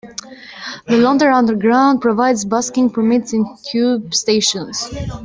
The London Underground provides busking permits in tube stations.